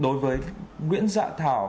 đối với nguyễn dạ thảo